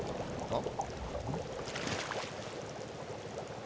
あっ！